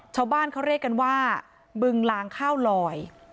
ชาวบ้านเขาเรียกกันว่าบึงลางข้าวลอย